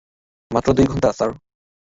মাত্র দুই ঘণ্টা, স্যার।